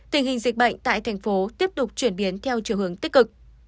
tình hình dịch bệnh tại tp hcm tiếp tục chuyển biến theo chiều hướng tích cực